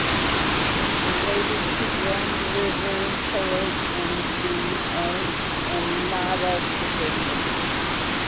Related to Grand River Trailed in the Oneota Tradition.